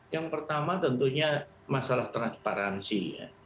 yang pertama tentunya masalah transparansi